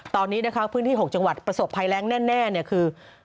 ตอนนี้นะคะพื้นที่๖จังหวัดประสบภัยแรงแน่คือ